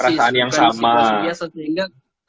perasaan yang sama